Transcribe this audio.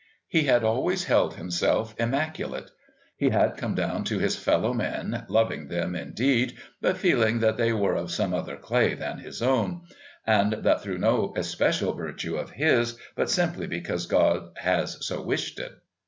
He had always held himself immaculate; he had come down to his fellow men, loving them, indeed, but feeling that they were of some other clay than his own, and that through no especial virtue of his, but simply because God has so wished it.